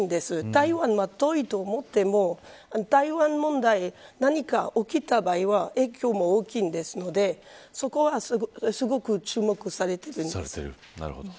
台湾は遠いと思っても台湾問題、何か起きた場合は影響も大きいのでそこはすごく注目されているんです。